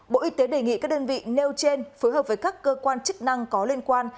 bộ y tế đề nghị các đơn vị nêu trên phối hợp với các cơ quan chức năng có liên quan